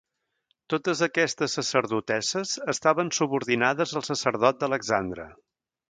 Totes aquestes sacerdotesses estaven subordinades al sacerdot d'Alexandre.